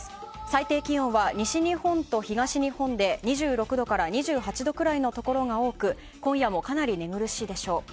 最低気温は西日本と東日本で２６度から２８度くらいのところが多く今夜もかなり寝苦しいでしょう。